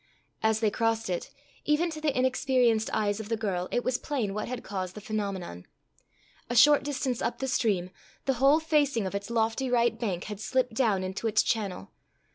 As they crossed it, even to the inexperienced eyes of the girl it was plain what had caused the phenomenon. A short distance up the stream, the whole facing of its lofty right bank had slipped down into its channel.